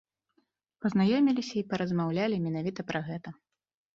Пазнаёміліся і паразмаўлялі менавіта пра гэта.